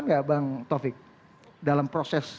nggak bang taufik dalam proses